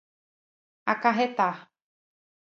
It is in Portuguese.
acarretar